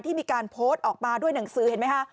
มีการโพสต์ออกมาด้วยหนังสือเห็นไหมคะ